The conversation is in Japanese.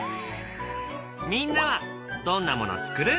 みんなはどんなものつくる？